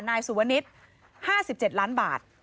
นายสุวนิต๕๗ล้านบาท